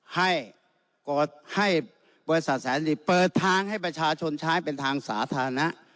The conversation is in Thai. ให้บริษัทแสนดีเปิดทางให้ประชาชนใช้เป็นทางสาธารณะ